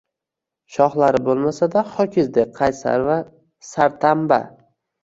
Shoxlari bo’lmasa-da, ho’kizdek qaysar va sartamba.